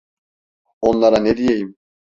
Onlara ne diyeyim?